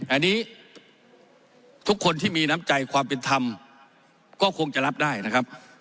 อันนี้ทุกคนที่มีน้ำใจความเป็นธรรมก็คงจะรับได้นะครับ